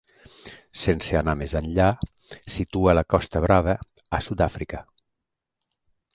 Sense anar més enllà, situa la Costa Brava a Sud-àfrica.